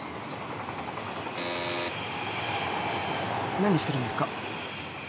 何してるんですか？